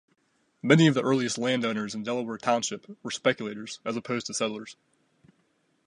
Many of the earliest landowners in Delaware Township were speculators as opposed to settlers.